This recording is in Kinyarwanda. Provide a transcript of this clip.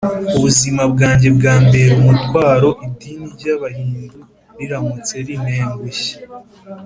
ubuzima bwanjye bwambera umutwaro idini ry’abahindu riramutse rintengushye.